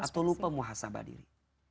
atau lupa muhasabah diri